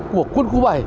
của quân khu bảy